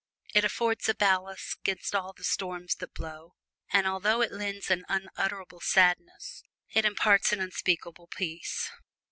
It affords a ballast 'gainst all the storms that blow. And although it lends an unutterable sadness, it imparts an unspeakable peace.